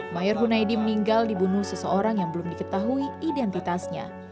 mayor hunaidi meninggal dibunuh seseorang yang belum diketahui identitasnya